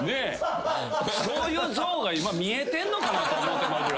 そういうゾウが今見えてんのかなと思うてまうぐらい。